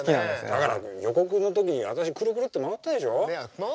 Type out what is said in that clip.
だから予告の時に私くるくるって回ったでしょ？